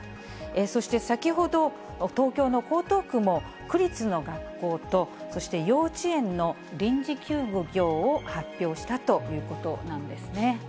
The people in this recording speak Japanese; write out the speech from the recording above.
そして先ほど、東京の江東区も、区立の学校と、そして幼稚園の臨時休業を発表したということなんですね。